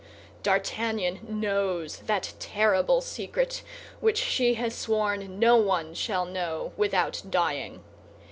D'Artagnan knows that terrible secret which she has sworn no one shall know without dying.